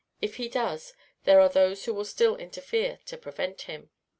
If he does, there are those who will still interfere to prevent him."